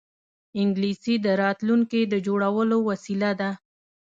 انګلیسي د راتلونکې د جوړولو وسیله ده